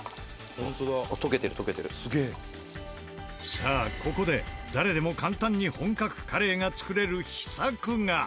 さあここで誰でも簡単に本格カレーが作れる秘策が。